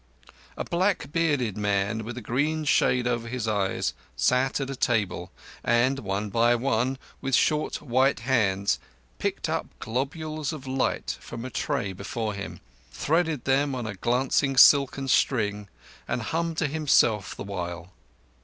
A black bearded man, with a green shade over his eyes, sat at a table, and, one by one, with short, white hands, picked up globules of light from a tray before him, threaded them on a glancing silken string, and hummed to himself the while.